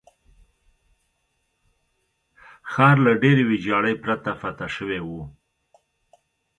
ښار له ډېرې ویجاړۍ پرته فتح شوی وو.